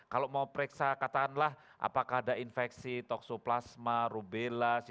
kalau mau periksa katakanlah apakah ada infeksi toksoplasma rubella